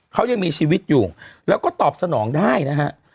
เขายังมีชีวิตอยู่แล้วก็ตอบสนองได้นะฮะ